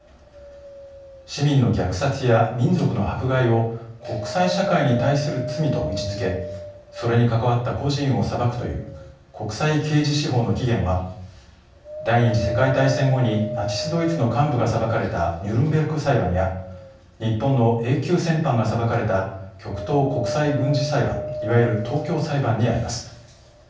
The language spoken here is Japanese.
市民の虐殺や民族の迫害を国際社会に対する罪と位置づけそれに関わった個人を裁くという国際刑事司法の起源は第２次世界大戦後にナチス・ドイツの幹部が裁かれたニュルンベルク裁判や日本のＡ級戦犯が裁かれた極東国際軍事裁判いわゆる東京裁判にあります。